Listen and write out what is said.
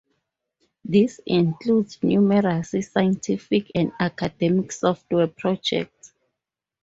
This includes numerous scientific and academic software projects.